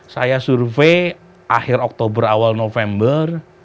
saya survei akhir oktober awal november